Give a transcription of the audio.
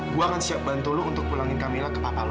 gue akan siap bantu lo untuk pulangin camillah ke papa lo